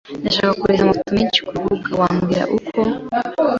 Ndashaka kohereza amafoto menshi kurubuga. Wambwira uko?